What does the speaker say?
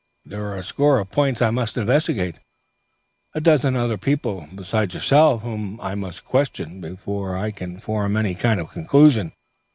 There are a score of points I must investigate, a dozen other people besides yourself whom I must question, before I can form any kind of conclusion.